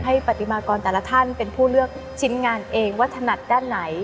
ปฏิมากรแต่ละท่านเป็นผู้เลือกชิ้นงานเองว่าถนัดด้านไหน